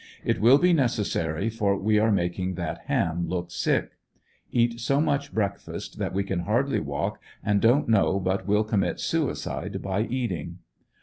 It will be necessary for we are making that ham look sick. Eat so much breakfast that we can hardly walk and don't know but will commit suicide by eating.